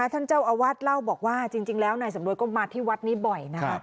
ท่านเจ้าอาวาสเล่าบอกว่าจริงแล้วนายสำรวยก็มาที่วัดนี้บ่อยนะคะ